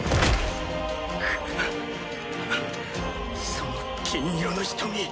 その金色の瞳。